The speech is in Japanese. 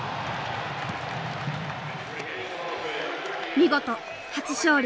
見事初勝利！